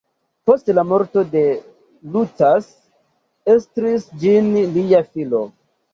Post la morto de Lucas estris ĝin lia filo.